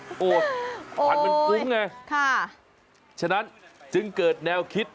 โอ๊ยควันเป็นภูมิไงฉะนั้นจึงเกิดแนวคิด